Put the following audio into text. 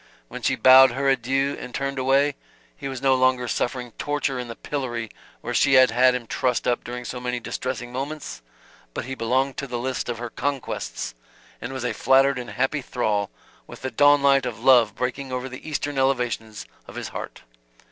When she bowed her adieu and turned away, he was no longer suffering torture in the pillory where she had had him trussed up during so many distressing moments, but he belonged to the list of her conquests and was a flattered and happy thrall, with the dawn light of love breaking over the eastern elevations of his heart.